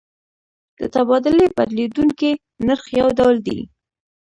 د تبادلې بدلیدونکی نرخ یو ډول دی.